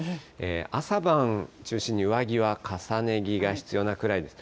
朝晩中心に上着は重ね着が必要なくらいです。